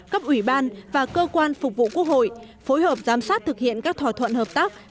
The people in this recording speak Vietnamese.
cấp ủy ban và cơ quan phục vụ quốc hội phối hợp giám sát thực hiện các thỏa thuận hợp tác